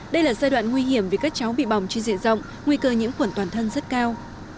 đây là giai đoạn nguy hiểm vì các cháu bị bỏng trên diện rộng nguy cơ nhiễm khuẩn toàn thân rất cao